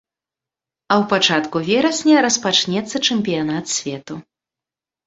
А ў пачатку верасня распачнецца чэмпіянат свету.